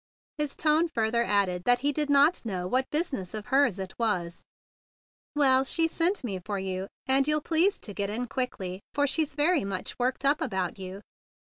His tone further added that he did not know what business of hers it was. "Well, she sent me for you; and you'll please to get in quickly, for she's very much worked up about you."